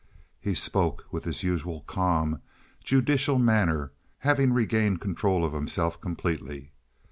He spoke with his usual calm, judicial manner, having regained control of himself completely.